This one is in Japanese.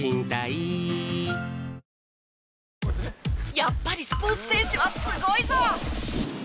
やっぱりスポーツ選手はすごいぞ！